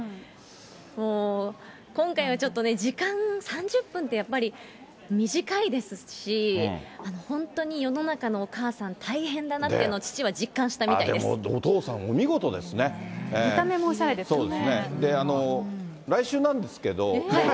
もう、今回はちょっとね、時間３０分ってやっぱり、短いですし、本当に世の中のお母さん大変だなっていうのを父は実感したみたいでもお父さん、見た目もおしゃれですね。